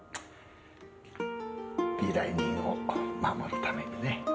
依頼人を守るためにね。